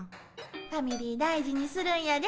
ファミリー大事にするんやで。